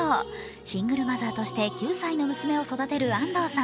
シングルマザーとして９歳の娘を育てる安藤さん。